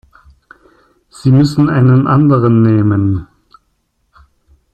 Sie müssen einen anderen nehmen.